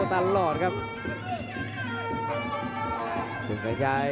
สวนตลอดครับเด็กคนนี้